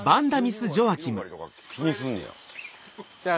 末広がりとか気にすんねや。